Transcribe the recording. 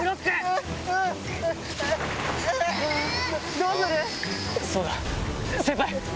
どうする⁉そうだ！